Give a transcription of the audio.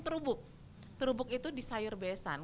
terubuk terubuk itu di sayur besan